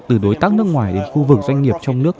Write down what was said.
từ đối tác nước ngoài đến khu vực doanh nghiệp trong nước